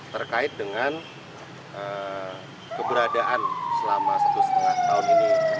terkait dengan keberadaan selama satu setengah tahun ini